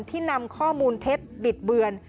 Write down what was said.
นำข้อมูลเท็จบิดเบือน